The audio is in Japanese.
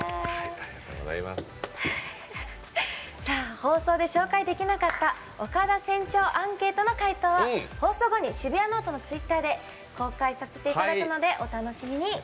放送で紹介できなかった岡田船長アンケートの回答は放送後に「シブヤノオト」のツイッターで公開させていただくのでお楽しみに。